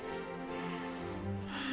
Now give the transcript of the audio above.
emang besok bapak sama ibu mau pulang kok